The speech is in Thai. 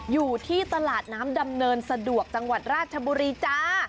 อยู่ที่ตลาดน้ำดำเนินสะดวกจังหวัดราชบุรีจ้า